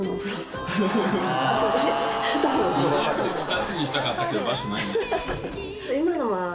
２つにしたかったけど場所ないね。